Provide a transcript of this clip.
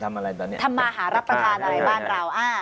ทำมาหารับประทานอะไรบ้านเรา